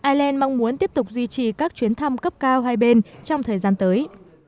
ireland mong muốn tiếp tục duy trì các chuyến thăm cấp cao hai bên trong thời gian tới